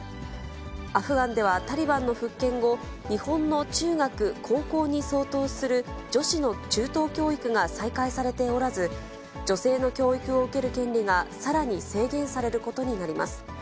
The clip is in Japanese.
アフガンではタリバンの復権後、日本の中学・高校に相当する女子の中等教育が再開されておらず、女性の教育を受ける権利がさらに制限されることになります。